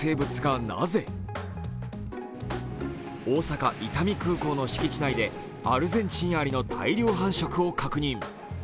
大阪・伊丹空港の敷地内でアルゼンチンアリの大量繁殖を確認。